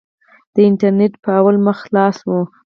د انټرنېټ په لومړۍ مخ خلاصه وه.